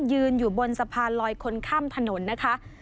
ยืนอยู่บนสะพานลอยคนข้ามถนนนะคะ